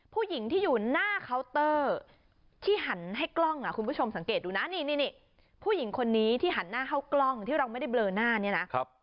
ผู้หญิงที่อยู่หน้าเคาน์เตอร์ที่หันให้กล้องคุณผู้ชมสังเกตดูนะนี่ผู้หญิงคนนี้ที่หันหน้าเข้ากล้องที่เราไม่ได้เบลอหน้าเนี่ยนะ